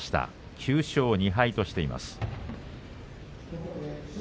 ９勝２敗としています。